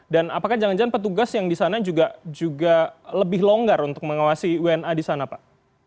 dan apakah jangan jangan petugas yang di sana juga lebih longgar untuk mengawasi wna di sana pak